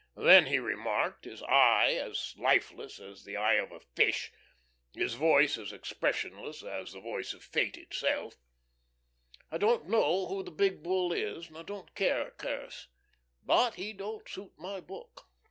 Then he remarked, his eye as lifeless as the eye of a fish, his voice as expressionless as the voice of Fate itself: "I don't know who the big Bull is, and I don't care a curse. But he don't suit my book.